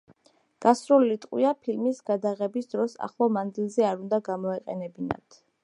გასროლილი ტყვია ფილმის გადაღების დროს ახლო მანძილზე არ უნდა გამოეყენებინათ.